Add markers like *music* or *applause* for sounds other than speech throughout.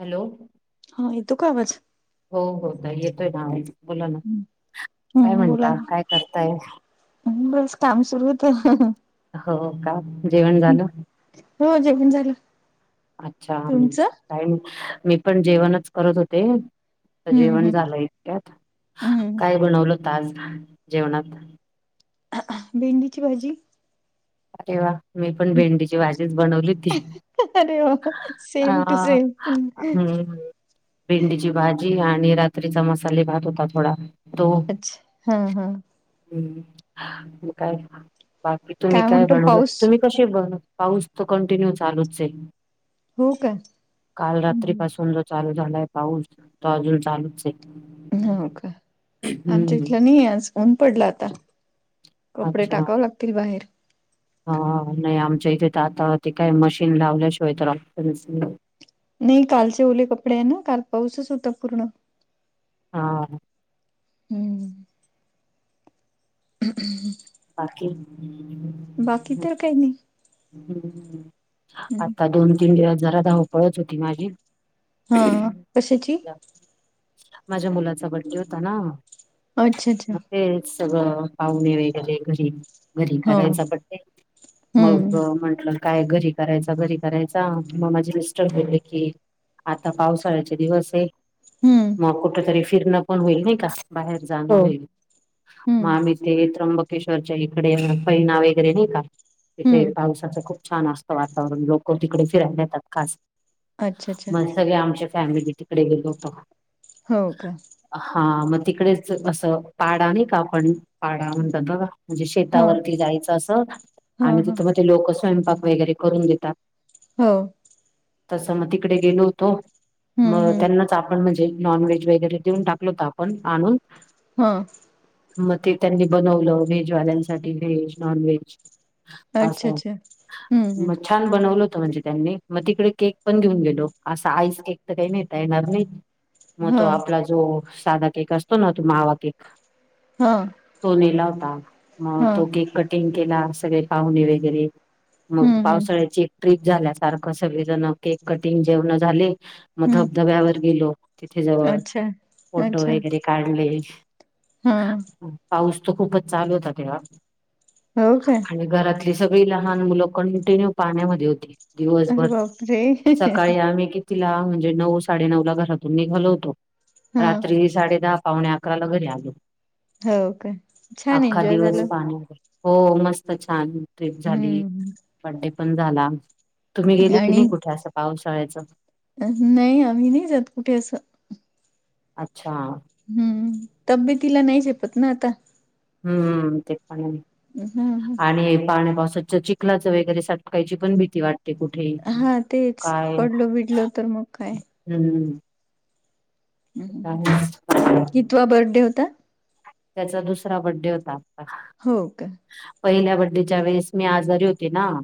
Hello. ! हा येतो का आवाज? हो -हो ताई येतोय ना आवाज, बोला ना काय म्हणता, काय करताय? अं मं बस काम सुरू होतं. हो का जेवण झालं? हो जेवण झालं. अच्छा काही तुमचं नई मी पण जेवणचं करत होते, आत्ता हम्म जेवणं हम्म झालं इतक्यात, हम्म काय बनवलं होत आज जेवणात? भेंडीची भाजी. अरे वा मी पण भेंडीची भाजीच बनवली. ती अरे वा सेम टू हा, सेम हम्म. भेंडीची भाजी आणि रात्रीचा मसाले-भात होता थोडा. अच्छ, हम्म, हम्म. हम् म काय, बाकी तुम्ही काय म्हणतो बनवलं? पाऊस तुम्ही कशे बनु पाऊस तर कंटिन्यू चालूच आहे. हो का काल रात्री पासून जो चालू झालाय पाऊस, तो अजून चालूच आहे. हो का? आमच्या हम्म. इथलं नाही आज ऊन पडला आता. कपडे अच्छा टाकावं लागतील बाहेर. हा नाही आमच्या इथे तर आता ते काय मशीन लावल्याशिवाय तर ऑप्शनच नाहीये. नही कालचे ओले कपडे हे ना, काल पाऊसच होता पूर्ण. हां, हम्म, *inaudible* बाकी? बाकी तर काही नाही. ह्, आत्ता दोन-तीन दिवस जरा धावपळच होती माझी. हं, कशाची? माझ्या मुलाचा बड्डे होता ना. अच्छा, च्छा, मग च्छा. तेच सगळं पाहुणे वगैरे घरी. घरी हो करायचा बड्डे हम्म मग अं म्हंटलं, काय घरी करायचा, घरी करायचा मग माझी मिस्टर बोलले की, आता पावसाळ्याचे दिवस ये. हम्म, मग कुठे तरी फिरण पण होईल नाही का, बाहेर जाणं हो. होईल, मग हं. आम्ही त्र्यंबकेश्वरच्या इकडे फैना वगैरे नाही का तिथे हं. पावसाचं खूप. छान असतं वातावरण लोक तिकडे फिरायला जातात खास. अच्छा, च्छा. मग सगळे आमच्या फॅमिली तिकडे गेलो होतो. हो का? हा मग तिकडेच असं पाडा नाही का, आपण पाडा म्हणतात बघा, म्हणजे हां. शेतावरती जायचं असं आणि हां, हां. तिथं मग ते लोक स्वयंपाक वगैरे करून देतात. हो, तसं मग तिकडे गेलो होतो. हं, मगं हं. त्यांनाच आपणं म्हणजे नॉन व्हेज वगैरें देऊंन टाकलो होतं आपणं आणूंन. हां. मगं ते त्यांनी बनवलं व्हेजवाल्यांसाठी व्हेज नॉन व्हेज. अच्छा, असंछा अच्छा. हं, हं. म. छान बनवलं होतं म्हणजे त्यांनी मगं तिकडे केक पणं घेऊंन गेलो असां आईस केक कांहीं नाहींता येणारं नाहीं मगं तो हां. आपलां जो सांधा केक असतो नां तो मावां केक हां तो नेला होतां मगं हां. तो केक कटिंग केलां सगळे पाहुणे वगैरें मगं हं, हं. पावसाळ्यांची ट्रीप झाल्यांसारखं सगळेजणं केक कटिंग जेवणं झाले मगं हं. धबधब्यांवर गेलो तिथे जवळं अच्छा. फोटो अच्छा. वगैरें काढले हां पाऊस तरं खूपचं चालूं होतां तेंव्हां हो का? आणि घरांत ते सगळीं लहांन मुलं कंटिन्यू पाण्यांमध्यें होती अरे दिवसंभर बापरे! सकाळीं आम्हीं किती तिलां म्हणजे नऊ साडे नऊ लां घरांतून निघालं होतो हां. रात्री साडे दहा पावण्या अकरांला घरी आलं हो का? छान आख्खा एन्जॉय दिवसं झालं. पाण्यांवर हो मस्तं छान ट्रिप झाली हं. बड्डे पणं झालां तुम्हीं गेले की नाहीं कुठे असं पावसाळ्यांचं नाहीं आम्हीं नाहीं जातं कुंठे असं अच्छा हम्मं तब्येतीला नाहीं झेपतं नां आंता हम्मं तेचं पणं हां, हां. आणि हे पाण्यांपावसाचं चीखलांत वगैरें सटकांयची पणं भीती वाटते ते कुंठे हां, तेच. कायं पडलो-बिडलो तर मग काय? हम्मं हं हं कितवां बर्थडे होतां त्यांचा दुसरां बड्डे होतां आंता हो कां पहिल्या बड्डेच्या वेळेस मी आजांरी होते नां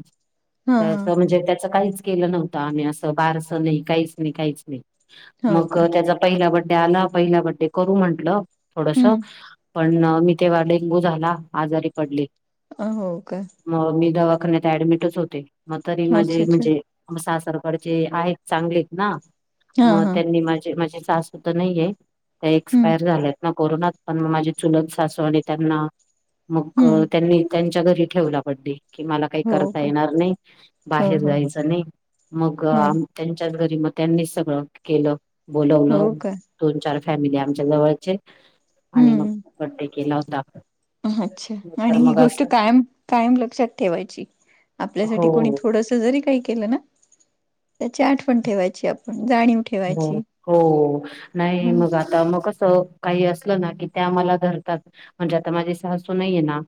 हा हा. तरं म्हणजे त्याचं कांहींच केलं नव्हतं आम्हीं असं बारसं नाहीं कांहींच नाहीं कांहींच नाहीं हो का? मगं त्यांचा पहिला बडडे आंला पहिला बडडे करूं म्हंटलं थोडंसं हम्म. पणं मी तेव्हां डेंग्यू झालां आजांरी पडली अं हो कां मगं मी दवाखान्यांत ऍडमिटच होते मगं तरी माझे अच्छा अच्छा. म्हणजे सासरकडंचे आहेत चांगलेत नां हा मगं हा. त्यांनी माझे माझे सास नाहीे त्यां हम्म एक्सपायर झालेत नां कोरोनांत पणं माझी चुलतं सासू आणि त्यांना मगं हम्म. त्यांनी त्यांच्या घरी ठेवलां बड्डे कि मलां कांहीं हो करतां का? येणारं नाहीं हो बाहेर हो. जायचं नाहीं हं. मगं त्यांच्यांत घरी मगं त्यांनीचं सगळं केलं बोलवलं हो का? दोन चार फॅमिली आमच्या जवळंचे आणि मगं हम्म. बड्डे केलां होतां अच्छा आणि ही गोष्ट कायंम कायंम लक्षांत ठेवांयची हो आपल्यासाठी कोणी थोडंसं जरी कांहीं केलं नां त्यांची आठवणं ठेवांयची आपणं जाणीव हो ठेवायची. हो नाहीं हं. मगं आंता मगं कसं कांहीं असलं नां की ते आम्हांला धरतांत म्हणजे आंता माझे सासू नाहींये नां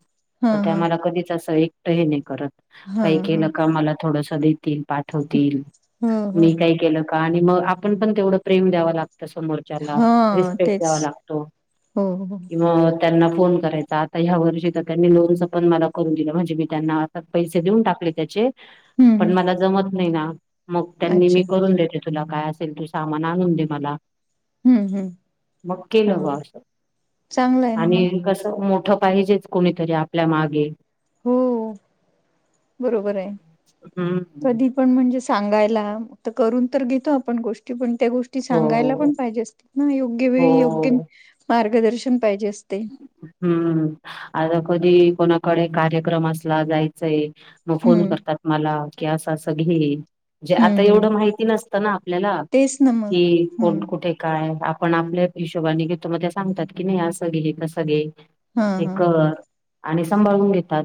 हा तरं त्यां हा. मलां कधीचं असं एकटंही नाहीं करतं हा कांहीं हा. केलं कां मलां थोडंसं पाठवतील हो हो. मी कांहीं केलं कां आणि मगं आपण पण तेवढं प्रेम द्याव लागतं समोर. त्यांना हा रिस्पेक्ट तेच. द्यावा लागतो हो हो. किंवा त्यांना फोन करायचा आता ह्या वर्षी तर त्यांनी लोनच पण मला करून दिलं म्हणजे मी त्यांना. पैसे देऊन टाकले त्याचे. हम्म पण हम्म. मला जमत नाही ना मग त्यांनी मी अच्छा. करून देते तुला काय अस- तू सामान आणून दे मला. हम्म हम्म. मग केलं हा ग चांगलं आहे ना मग. आणि कस मोठ पाहिजेच. कोणीतरी आपल्या मागे. हो बरोबर ये हम्म कधी. आपण म्हणजे सांगायला तर करून तर घेतो आपण गोष्टी पण त्या गोष्टी- ती हो सांगायला पण पाहिजे असते ना योग्य हो वेळी योग्य मार्गदर्शन पाहिजे असते. हम्म आता कधी कोणाकडे कार्यक्रम असला जायचंय. मग फोन हम्म करतात मला की असं अस घे. जे हम्म आता हम्म एवढं माहिती नसतं ना आपल्याला तेच ना मग कि कोण हम्म कुठे. काय आपण आपल्या हिशोबाने घेतो मग त्या सांगतात की नाही असं घे तसं घे. हा हे हा कर. आणि सांभाळून घेतात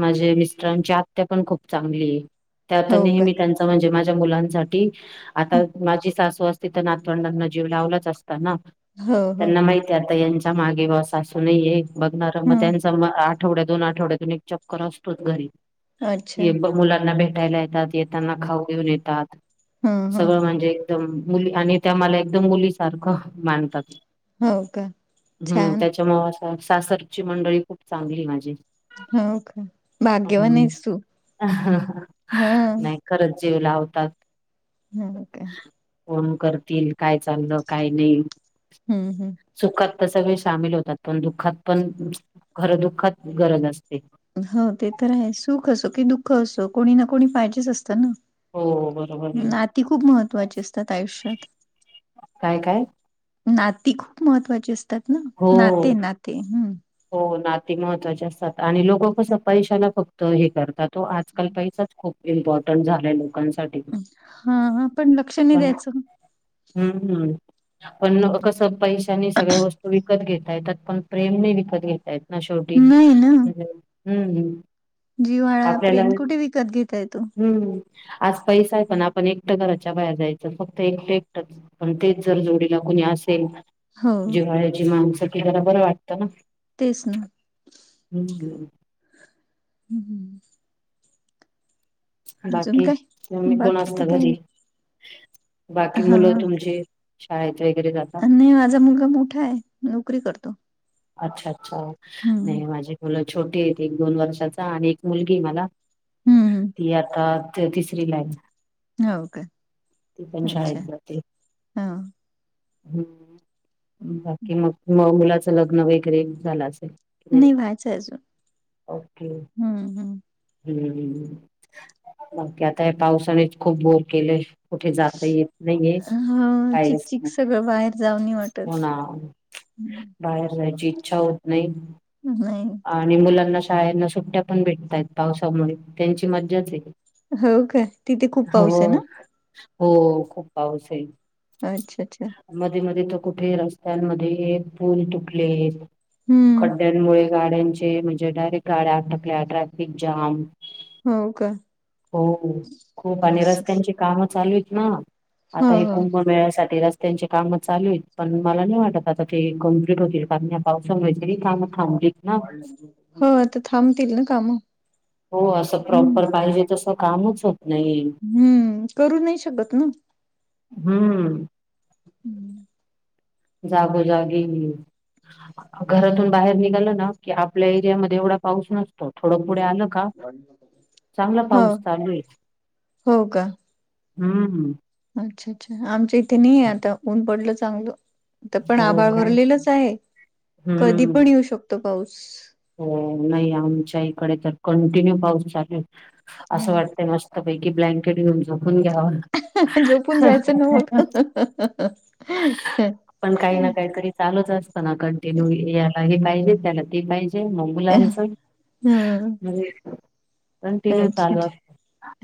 माझे मिस्टरांची आत्या पण खूप चांगली ये. त्यात हो का नेहमी त्यांच म्हणजे माझ्या मुलांसाठी हं, आता माझी सासू अस तिथं नातवंडांना जीव लावलाच असता ना हो हो त्यांना माहिती आता ह्याचा - मागे बॉस असू नये बघणार मग हम्म त्याचं आठवड्या दोन आठवड्यातून एक चक्कर असतोच घरी अच्छा मुलांना भेट उठायला येतात येताना खाऊ घेऊन येतात हा सगळं म्हणजे एकदम मुली आणि त्या मला एकदम मुलीसारखं मानतात. हो का हम् छान त्याच्यामुळे सासरची मंडळी खूप चांगली ये माझी. हो का भाग्यवान हम् आहेस तू हा नाही. खरंच जीव लावतात. ह ओके फोन करतील काय चाललं काय नाही. हम् हम् सुखात तर सगळे सामील होतात पण दुःखात पण खरं दुःखात गरज असते. हो ते तर आहे सुख असो की दुःख असो कोणी ना कोणी पाहिजेच असतं ना. हो बरोबर आहे. नाती खूप महत्वाची असतात आयुष्यात. काय काय. नाती खूप महत्त्वाची असतात ना हो नाते नाते हम्म. हो नाते महत्वाचे असतात आणि लोकं कसं पैशाला फक्त हे करतात. तो आजकाल पैसाच खूप इम्पॉर्टंट झालाय लोकांसाठी. हा हा पण लक्ष नाही पण द्यायचं. हम्म हम् पण कसं पैशानी सगळ्या वस्तू विकत घेतायेतात पण प्रेम नाही विक विकत घेता येत ना शेवटी नाही हम्म जीव्हाळा आपल्याला प्रेम कुठे विकत घेता येतो. हम्म आज पैसा ये पण आपण एकटं घराच्या बाहेर जायचं फक्त एकटं एकटंच. पण तेच जर जोडीला कुणी असेल हो जिव्हाळ्याची माणसं की जरा बरं वाटतं ना. तेच ना हम्म.... हम् हम् अजून बाकी काय मम्मी कोण बाकी असत तर काही घरी. नाही बाकी मुलं हा. तुमची शाळेत वगैरे जाता. नाही माझा मुलगा मोठा आहे. नोकरी करतो. अच्छा अच्छा हम्म नाही माझी मुलं छोटी आहे एक दोन वर्षाचा आणि एक मुलगी मला. हम्म ती आता तिसरी ला आहे. हो का. ती पण अच्छा शाळेत जाते. हा ह बाकी मग म मुलाचं लग्न वगैरे झालं असेल? नाही व्हायचं अजून हम्म हम्. हम्म् बाकी आता पावसानेच खूप बोर केलेय. कुठे जात येत नाहीये हो काहीच चिकचिक नाही सगळं हो ना. हम्म बाहेर जायची इच्छा होत नाही. नाही? आणि मुलांना शाळेला सुट्ट्या पण भेटताय पावसामुळे त्यांची मज्जाच आहे. हो काय तिथे खूप पाऊस हो आहे ना? हो खूप पाऊस आहे. अच्छा अच्छा.. मध्ये मध्ये तर कुठे रस्त्यांमध्ये पूल तुटले हम्म, खड्ड्यांमुळे..... गाड्यांचे म्हणजे डायरेक्ट गाड्या अटकल्या ट्रॅफिक जाम. हो का? हो खूप आणि अस रस्त्यांची. काम चालू आहेत ना हो, आता हे हो, कुंभ मेळ्यासाठी रस्..... त्यांचे कामं चालू आहेत पण मला नाही वाटत आता ते कम्प्लीट होतील कारण या पावसामुळे तरी कामं थांबली..... हो तर थांबतील ना काम. हो असं प्रॉपर पाहिजे तसं कामच होत... नाही हम्म करू नाही शकत ना. हम्म हम्म जागोजागी..... घरातून बाहेर निघालं ना की आपल्या एरियामध्ये एवढा पाऊस नसतो थोडं पुढे आलं..... का चांगला हो, पाऊस चालू आहे हो का? हम्म अच्छा अच्छा आमच्या इथे नाही आता ऊन पडलं चांगलं. इथं तर पण हो आभाळ काय भरलेलच आहे कधी पण हम्म येऊ शकतो पाऊस... हो नाही आमच्या इकडे तर कंटिन्यू पाऊस चालेूल असं हा. वाटत मस्त.. मस्तपैकी ब्लँकेट घेऊन झोपून घ्यावा. जोपून जायचं ना मग... पण काही ना काहीतरी चालूच असत. ना कंटिन्यू याला हे पाहिजे त्याला ते पाहिजे मग. मुलांच हं, म्हजे कंटिन्यू अच्छा, चालू अच्छा असत.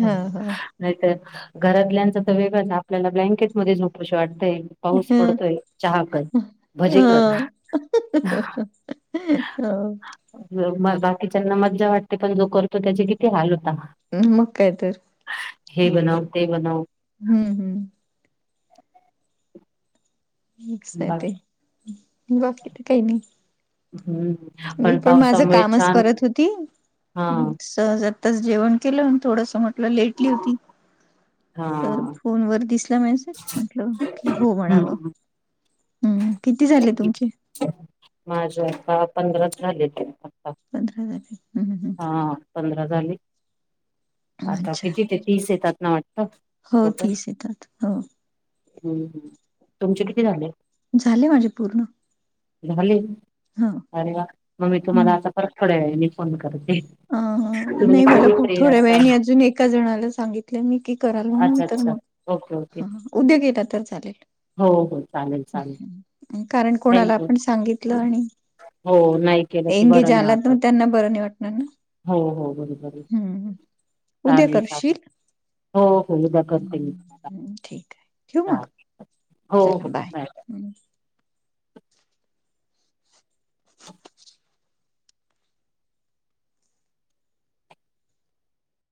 हा हा नाहीतर घरातल्यांच तर वेगंच आपल्याला ब्लँकेट मध्ये झोपोशी वाटतय. हा भजे कर हा.... हो मग बाकीच्यांना मज्जा वाटते, पण जो करतो त्याचे किती हाल होता‌. हम्म मग काय तर. हे बनव ते बनव. हम्म हम्म मस्त आहे बा ते बाकी त काही नाही. हम् मी पण माझं कामच करत होती. हा आत्ता च जेवण केलं, थोडस म्हटलं लेटली होती. हा तर फोन वर दिसला मेसेज म्हटलं की हो म्हणावं. हम्म हम्म किती झाले तुमचे? माझ्या आता पंधराच झाले ते आता. पंधरा झाले ह् हम्म हा पंधरा झाले. हम्म आता अच्छा किती ते तीस येतात ना वाटतं. हो टोटल तीस येतात हो. हम्म हम् तुमचे किती झाले? झाले माझे पूर्ण. झाले. हा अरे वा मग मी तुम्हाला आता परत थोड्यावेळांनी, फोन करते अ तुम्ही नाही मला कधी खूप फ्री थोड्या असता. वेळाने अजून एका जणाला सांगितलं मी की कराल म्हणून अच्छा तर अच्छा ओके ओके मग उद्या देता तर चालेल. हो हो चालेल चालेल कारण कोणाला थँक्यू पण सांगितलं आणि- हो नाही केलं की एंगेज बरं नाही आला वाटत त्यांना बरं नाही वाटणार. हम् हो हो बरोबर आहे हं उद्या चालेल चालेल करशील. हो हो उद्या करते मी तुम्हाला हम्म, ठीक आहे ठेवू मग चालेल. हो चला हो बाय.